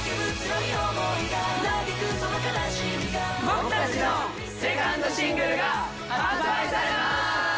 僕たちのセカンドシングルが発売されます！